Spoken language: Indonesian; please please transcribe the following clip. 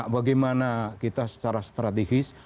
bagaimana kita secara strategis